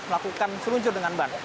yang pernah melakukan seluncur dengan ban